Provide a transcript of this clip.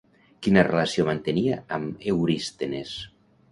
Quina relació mantenia amb Eurístenes?